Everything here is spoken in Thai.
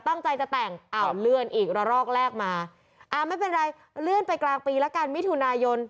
ตั้งใจจะแต่งอ้าวเลื่อนอีกระลอกแรกมาอ่าไม่เป็นไรเลื่อนไปกลางปีแล้วกันมิถุนายน